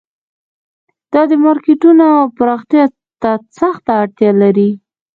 دا مارکیټونه پراختیا ته سخته اړتیا لري